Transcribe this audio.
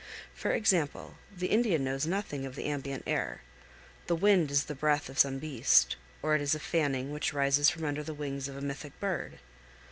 For example, the Indian knows nothing of the ambient air. The wind is the breath of some beast, or it is a fanning which rises from under the wings of a mythic bird.